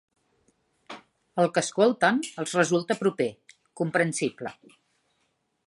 El que escolten els resulta proper, comprensible.